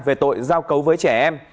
về tội giao cấu với trẻ em